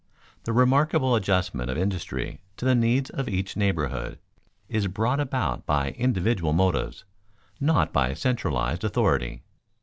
The remarkable adjustment of industry to the needs of each neighborhood is brought about by individual motives, not by centralized authority.